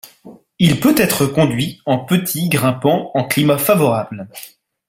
Il peut être conduit en petit grimpant en climat favorable.